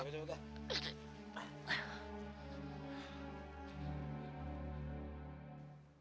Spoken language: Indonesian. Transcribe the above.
cabut cabut cabut